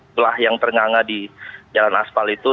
setelah yang ternganga di jalan aspal itu